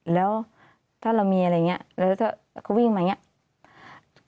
แล้วถ้าเรามีอะไรอย่างนี้แล้วถ้าเขาวิ่งมาอย่างนี้